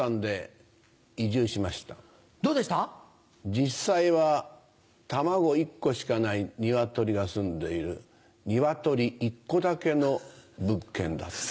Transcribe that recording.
実際は卵１個しかないニワトリがすんでいるニワトリイッコだけの物件だった。